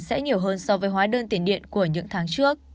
sẽ nhiều hơn so với hóa đơn tiền điện của những tháng trước